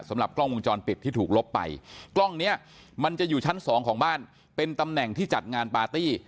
สำหรับกล้องวงจรปิดที่ถูกลบไปกล้องเนี้ยมันจะอยู่ชั้นสองของบ้านเป็นตำแหน่งที่จัดงานปาร์ตี้